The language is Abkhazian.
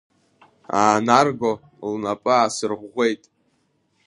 Аанарго лнапы аасырӷәӷәеит.